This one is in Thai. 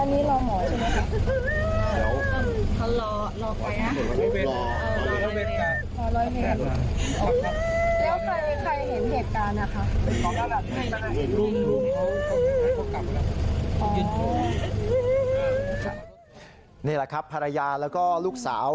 นี่แหละครับภรรยาแล้วก็ลูกสาว